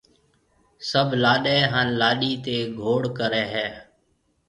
سڀ لاڏَي ھان لاڏِي تيَ گھوڙ ڪرَي ھيََََ